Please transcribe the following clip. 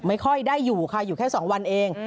ไม่ค่อยได้อยู่ค่ะอยู่แค่๒วันเอง